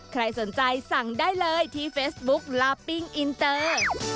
ใครสนใจสั่งได้เลยที่เฟซบุ๊กลาปิ้งอินเตอร์